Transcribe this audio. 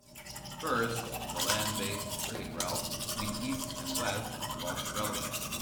First, the land based trade route between east and west lost relevance.